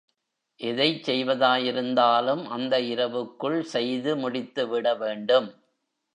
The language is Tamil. எதைச் செய்வதாயிருந்தாலும் அந்த இரவுக்குள் செய்து முடித்துவிடவேண்டும்.